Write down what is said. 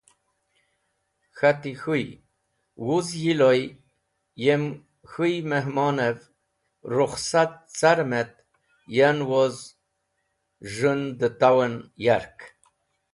K̃hat: K̃hũy! Wuz yiloy yem k̃hũy mehmonev rukhsat carem et yan woz z̃hũn dẽ taw en yark.